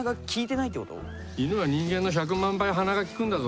犬は人間の１００万倍鼻が利くんだぞ。